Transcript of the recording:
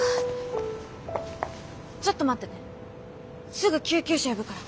すぐ救急車呼ぶから。